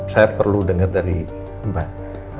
saya perlu dengar dari mbak